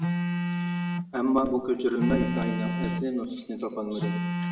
ئەمما بۇ كۆچۈرۈلمە ھېكايىنىڭ ئەسلى نۇسخىسىنى تاپالمىدىم.